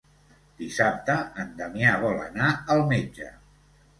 Dissabte en Damià vol anar al metge.